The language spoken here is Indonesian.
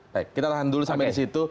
baik kita tahan dulu sampai di situ